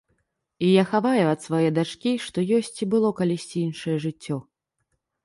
І я хаваю ад свае дачкі, што ёсць ці было калісьці іншае жыццё.